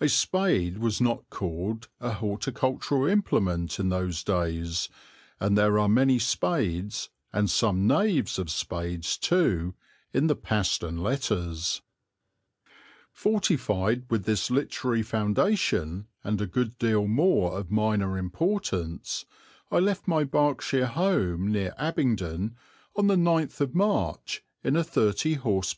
A spade was not called a horticultural implement in those days, and there are many spades, and some knaves of spades too, in the Paston Letters. Fortified with this literary foundation, and a good deal more of minor importance, I left my Berkshire home near Abingdon on 9 March in a 30 h.p.